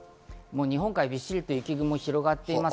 日本海、びっしりと雪雲が広がっています。